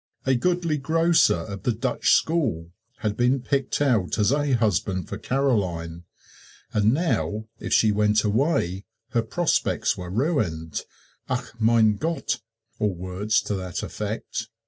A goodly grocer of the Dutch School had been picked out as a husband for Caroline, and now if she went away her prospects were ruined Ach, Mein Gott! or words to that effect.